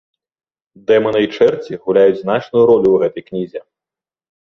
Дэманы і чэрці гуляюць значную ролю ў гэтай кнізе.